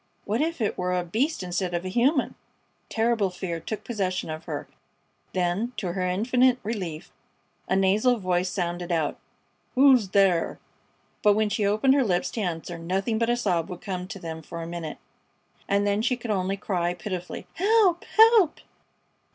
What if it were a beast instead of a human! Terrible fear took possession of her; then, to her infinite relief, a nasal voice sounded out: "Who's thar?" But when she opened her lips to answer, nothing but a sob would come to them for a minute, and then she could only cry, pitifully: "Help! Help!"